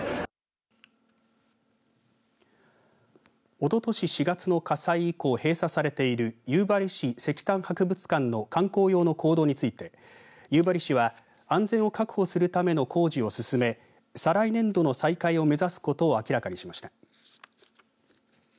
おととし４月の火災以降閉鎖されている夕張市石炭博物館の観光用の坑道について夕張市は安全を確保するための工事を進め再来年度の再開を目指すことを明らかにしました。